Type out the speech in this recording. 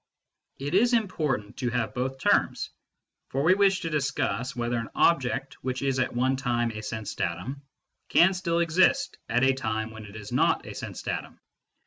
It is important to have both terms ; for we wish to discuss whether an object which is at one time a sense datum can still exist at a time when it is not a sense datum.